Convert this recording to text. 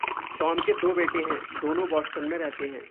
Tom के दो बेटे हैं। दोनों बॉस्टन में रहते हैं।